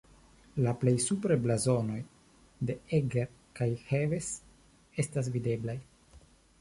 La plej supre blazonoj de Eger kaj Heves estas videblaj.